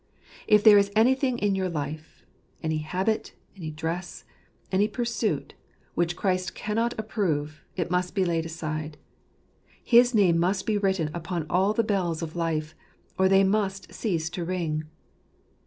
If there is anything in your life, any habit, any dress, any pursuit, which Christ cannot approve, it must be laid aside. His name must be written upon all the bells of life, or they must cease to ring.